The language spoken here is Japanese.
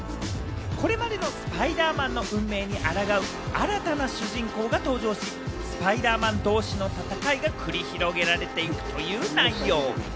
これまでのスパイダーマンの運命にあらがう新たな主人公が登場し、スパイダーマン同士の戦いが繰り広げられているという内容。